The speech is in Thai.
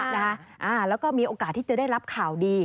แล้วก็มีโอกาสที่จะได้รับข่าวดี